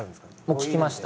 僕聞きました。